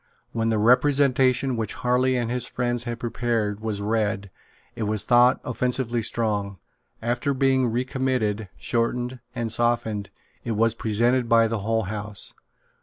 When the Representation which Harley and his friends had prepared was read, it was thought offensively strong. After being recommitted, shortened and softened, it was presented by the whole House.